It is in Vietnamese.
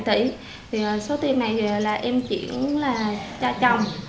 thì số tiền này là em chuyển là cho chồng